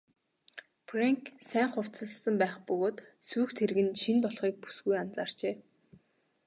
Фрэнк сайн хувцасласан байх бөгөөд сүйх тэрэг нь шинэ болохыг бүсгүй анзаарчээ.